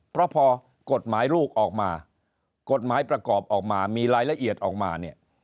เพราะพอกฎหมายลูกออกมากฎหมายประกอบออกมามีรายละเอียดออกมาเนี่ย